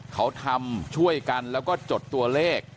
เขาทำช่วยกันแล้วก็จดตัวเลข